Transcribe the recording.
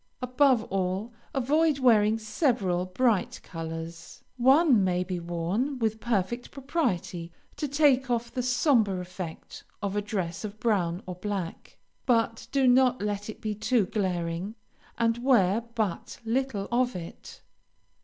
Above all, avoid wearing several bright colors. One may be worn with perfect propriety to take off the sombre effect of a dress of brown or black, but do not let it be too glaring, and wear but little of it.